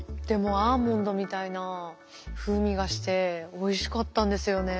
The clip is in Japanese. でもアーモンドみたいな風味がしておいしかったんですよね。